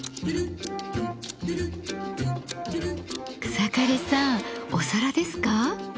草刈さんお皿ですか？